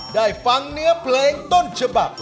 ได้ฟังเนื้อเพลงต้นฉบับ